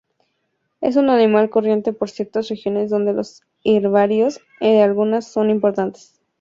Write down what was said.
Es un animal corriente por ciertas regiones donde los herbarios de lagunas son importantes.